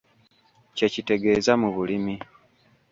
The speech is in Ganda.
Kye kitegeeza mu bulimi.